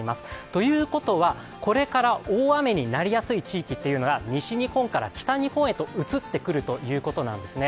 ということは、これから大雨になりやすい地域が西日本から北日本へと移ってくるということなんですね。